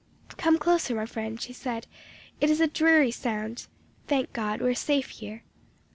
"'Come closer, my friend,' she said; 'it is a dreary sound. Thank God, we are safe here!'